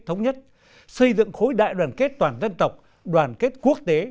thống nhất xây dựng khối đại đoàn kết toàn dân tộc đoàn kết quốc tế